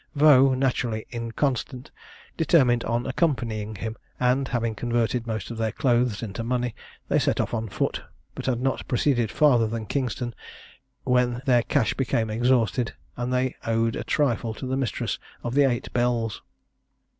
Vaux, naturally inconstant, determined on accompanying him; and, having converted most of their clothes into money, they set off on foot; but had not proceeded farther than Kingston when their cash became exhausted, and they owed a trifle to the mistress of the Eight Bells.